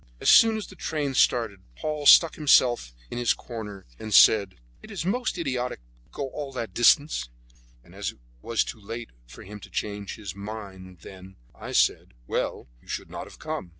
As soon as the train started Paul stuck himself in his corner, and said, "It is most idiotic to go all that distance," and as it was too late for him to change his mind then, I said, "Well, you should not have come."